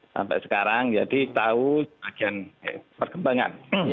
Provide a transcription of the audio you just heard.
sampai sekarang jadi tahu sebagian perkembangan